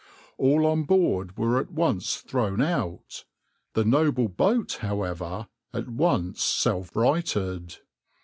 All on board were at once thrown out; the noble boat, however, at once self righted.